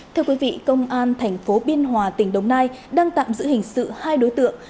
thưa quý vị công an thành phố biên hòa tỉnh đồng nai đang tạm giữ hình sự hai đối tượng